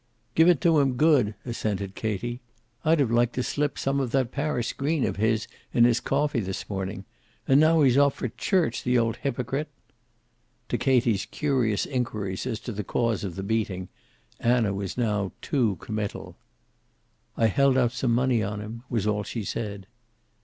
"Give it to him good," assented Katie. "I'd have liked to slip some of that Paris green of his in his coffee this morning. And now he's off for church, the old hypocrite!" To Katie's curious inquiries as to the cause of the beating Anna was now too committal. "I held out some money on him," was all she said.